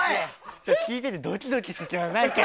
聞いててドキドキしてきます。